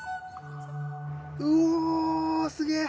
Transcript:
うおすげえ！